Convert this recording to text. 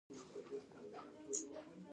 هو، ډیر یی خوښوم